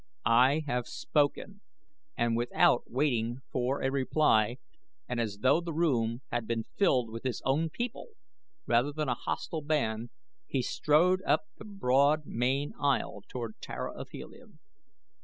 I have spoken!" and without waiting for a reply and as though the room had been filled with his own people rather than a hostile band he strode up the broad main aisle toward Tara of Helium.